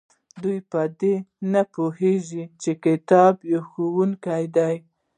دوی په دې نه پوهیږي چې کتاب یو ښوونکی دی.